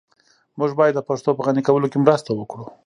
موږ بايد د پښتو په غني کولو کي مرسته وکړو.